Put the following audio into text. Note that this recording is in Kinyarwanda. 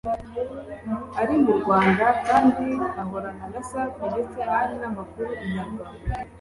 ari mu Rwanda kandi ahorana na Safi ndetse hari n’amakuru Inyarwanda